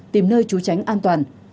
tìm nơi trú tránh an toàn